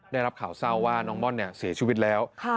ได้รับข่าวเศร้าว่าน้องม่อนเสียชีวิตแล้ว